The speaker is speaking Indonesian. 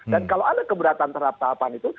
dan kalau ada keberatan terhadap tahapan itu